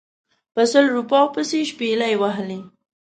په سلو روپیو پسې شپلۍ وهلې.